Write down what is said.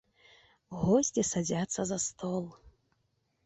Госці садзяцца за стол.